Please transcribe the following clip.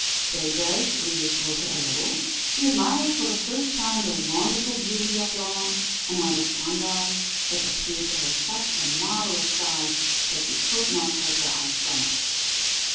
Daybreak reassured her a little; she admired for the first time the wonderful beauty of dawn; and when the sun rose, it appeared to her such a marvellous sight that she could not take her eyes from it.